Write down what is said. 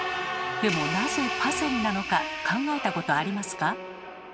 でもなぜパセリなのか考えたことありますか？